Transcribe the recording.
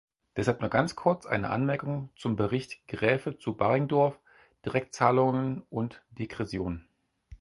Deshalb nur ganz kurz eine Anmerkung zum Bericht Graefe zu Baringdorf, Direktzahlungen und Degression.